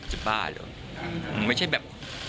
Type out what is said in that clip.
เจ็บต้านดูไม่ใช่แบบ